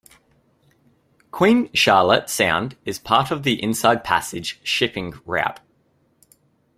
Queen Charlotte Sound is part of the Inside Passage shipping route.